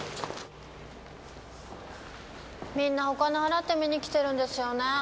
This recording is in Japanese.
みんなお金払って見に来てるんですよね。